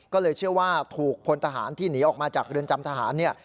ก็เลยเชื่อว่าถูกพลทหารที่หนีออกมาจากเรือนจำทหารเนี่ย